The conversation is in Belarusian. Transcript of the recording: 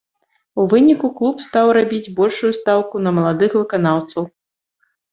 У выніку клуб стаў рабіць большую стаўку на маладых выканаўцаў.